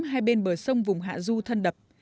hai bên bờ sông vùng hạ du thân đập